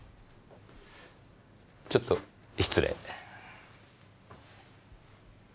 ちょっと失礼。